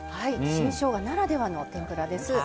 新しょうがならではの天ぷらです。